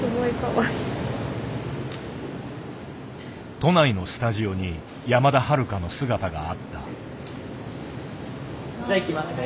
都内のスタジオに山田はるかの姿があった。